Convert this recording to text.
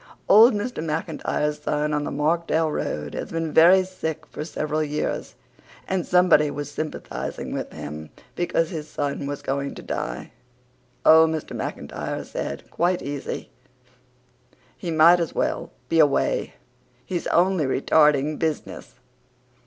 Old Mr. McIntyre's son on the Markdale Road had been very sick for several years and somebody was sympathizing with him because his son was going to die. "Oh," Mr. McIntyre said, quite easy, "he might as weel be awa'. He's only retarding buzziness."